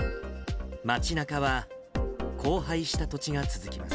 街なかは、荒廃した土地が続きます。